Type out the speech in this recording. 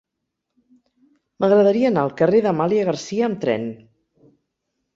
M'agradaria anar al carrer d'Amàlia Garcia amb tren.